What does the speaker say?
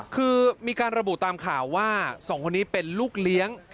คือมีการระบุตามข่าวว่าสองคนนี้เป็นลูกเลี้ยง